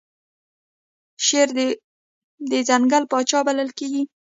شیر د ځنګل پاچا بلل کیږي